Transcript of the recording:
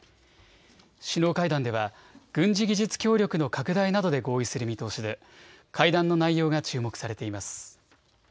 首脳会談では軍事技術協力の拡大などで合意する見通しで会談の内容が注目されています。